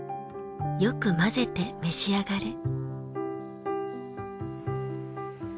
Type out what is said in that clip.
よく混ぜて召し上がれ。